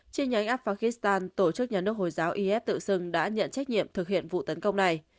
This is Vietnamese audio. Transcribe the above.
trên nhánh afghanistan tổ chức nhà nước hồi giáo is tự xưng đã nhận trách nhiệm thực hiện vụ tấn công này